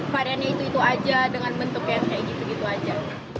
variannya itu itu aja dengan bentuk yang kayak gitu gitu aja